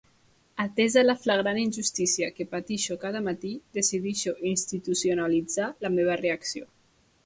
Atesa la flagrant injustícia que pateixo cada matí, decideixo institucionalitzar la meva reacció.